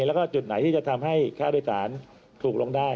แล้วก็จุดไหนที่จะทำให้ค่าโดยสารถูกลงได้